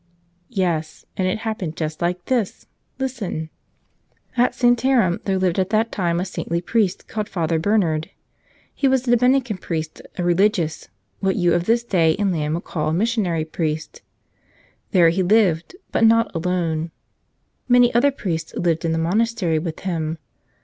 Yes; and it happened just like this. Listen. At Santarem there lived at that time a saintly priest called Father Bernard. He was a Dominican priest, a religious, what you of this day and land would call a missionary priest. There he lived, but not alone. Many other priests lived in the monastery with him.